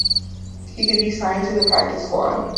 He would be signed to the practice squad.